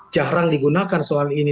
jarang digunakan soal ini